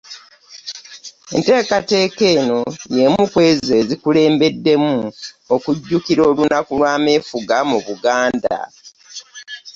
Enteekateeka eno y'emu ku ezo ezikulembeddemu okujjukira olunaku lw'ameefuga mu Buganda